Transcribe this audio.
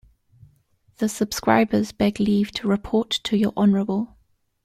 The Subscribers beg leave to Report to your Honorable.